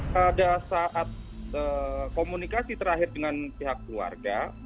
pada saat komunikasi terakhir dengan pihak keluarga